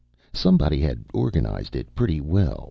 Somebody had organized it pretty well.